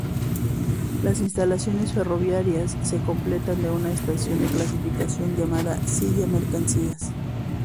Las instalaciones ferroviarias se completan con una estación de clasificación llamaba Silla-Mercancías.